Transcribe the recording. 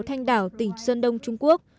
thanh đảo tỉnh sơn đông trung quốc